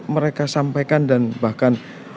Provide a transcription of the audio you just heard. mereka sampaikan dan bahkan